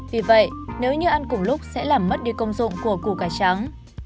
vì vậy nếu như ăn cùng lúc sẽ làm mất đi công dụng của củ cải trắng